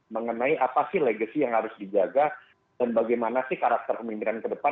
mengenai apa sih legacy yang harus dijaga dan bagaimana sih karakter pemimpinan ke depan